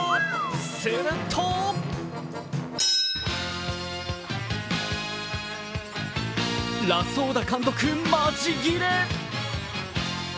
するとラソーダ監督、マジギレ！